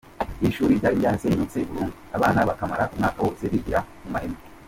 Iri shuri ryari ryarasenyutse burundu, abana bakamara umwaka wose bigira mu mahema.